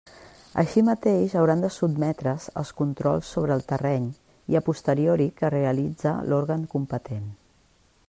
Així mateix, hauran de sotmetre's als controls sobre el terreny i a posteriori que realitze l'òrgan competent.